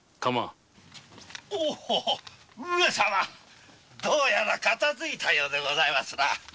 上様どうやら片づいたようですな。